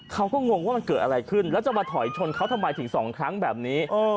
งงว่ามันเกิดอะไรขึ้นแล้วจะมาถอยชนเขาทำไมถึงสองครั้งแบบนี้